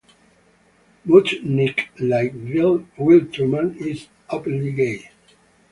Mutchnick, like Will Truman, is openly gay.